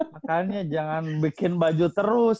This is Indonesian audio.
makanya jangan bikin baju terus